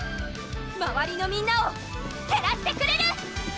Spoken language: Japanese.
まわりのみんなをてらしてくれる！